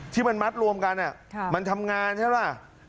ที่มันมัดรวมกันมันทำงานใช่ป่ะ